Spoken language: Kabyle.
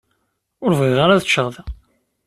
Ur bɣiɣ ara ad ččeɣ da.